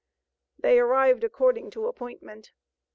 They arrived according to appointment.